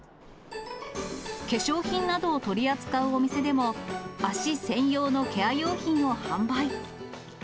化粧品などを取り扱うお店でも、足専用のケア用品を販売。